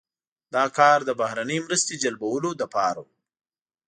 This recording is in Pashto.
دا کار د بهرنۍ مرستې جلبولو لپاره و.